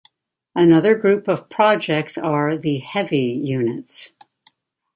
Another group of projects are the "heavy" units.